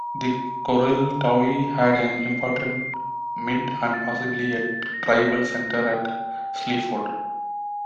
The Corieltauvi had an important mint, and possibly a tribal centre, at Sleaford.